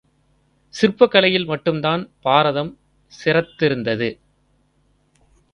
சிற்பக் கலையில் மட்டும்தான் பாரதம் சிறத்திருந்தது.